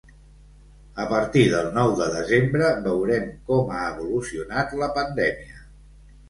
A partir del nou de desembre veurem com ha evolucionat la pandèmia.